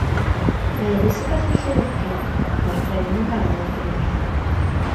Mae Elisabeth yn llewygu ac mae'r brenin yn galw am gymorth.